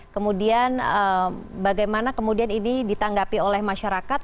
kemudian bagaimana kemudian ini ditanggapi oleh masyarakat